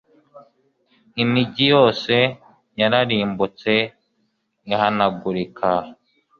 Imigi yose yararimbutse ihanagurika